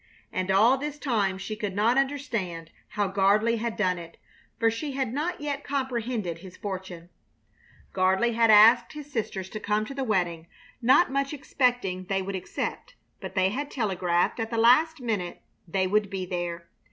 And all this time she could not understand how Gardley had done it, for she had not yet comprehended his fortune. Gardley had asked his sisters to come to the wedding, not much expecting they would accept, but they had telegraphed at the last minute they would be there.